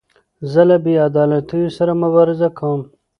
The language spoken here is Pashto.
زه له بې عدالتیو سره مبارزه کوم.